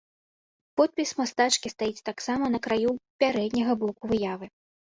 Подпіс мастачкі стаіць таксама на краю пярэдняга боку выявы.